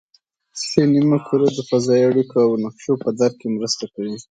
ښي نیمه کره د فضایي اړیکو او نقشو په درک کې مرسته کوي